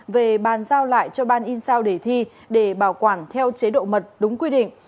về bàn giao lại cho ban in sao để thi để bảo quản theo chế độ mật đúng quy định